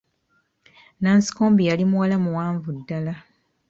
Nansikombi yali muwala muwaanvu ddala.